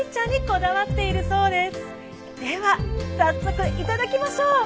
では早速頂きましょう。